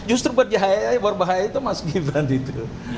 justru berbahaya itu mas gibran itu